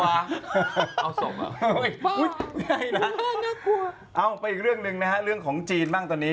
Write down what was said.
เอาแล้วไปอีกเรื่องเรื่องของจีนบ้างตอนนี้